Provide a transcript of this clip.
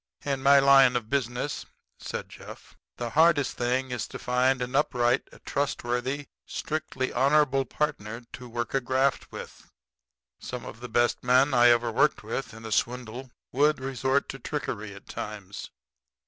"In my line of business," said Jeff, "the hardest thing is to find an upright, trustworthy, strictly honorable partner to work a graft with. Some of the best men I ever worked with in a swindle would resort to trickery at times.